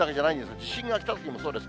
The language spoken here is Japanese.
地震が来たときもそうです。